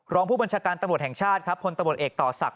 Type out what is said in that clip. รองผู้บัญชาการตำรวจแห่งชาติครับพลตำรวจเอกต่อศักดิ